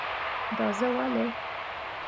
دا زه ولی؟